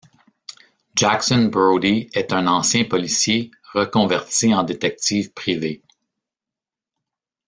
Jackson Brodie est un ancien policier reconverti en détective privé.